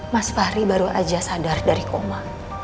mas fahri baru aja sadar dari koma